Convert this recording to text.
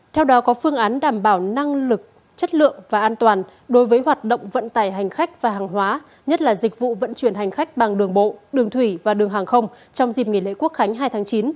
theo đó có phương án đảm bảo năng lực chất lượng và an toàn đối với hoạt động vận tải hành khách và hàng hóa nhất là dịch vụ vận chuyển hành khách bằng đường bộ đường thủy và đường hàng không trong dịp nghỉ lễ quốc khánh hai tháng chín